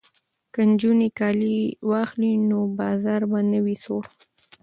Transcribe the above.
که نجونې کالي واخلي نو بازار به نه وي سوړ.